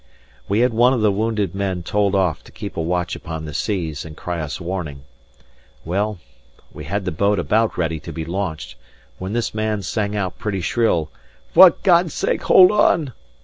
We had one of the wounded men told off to keep a watch upon the seas and cry us warning. Well, we had the boat about ready to be launched, when this man sang out pretty shrill: "For God's sake, hold on!"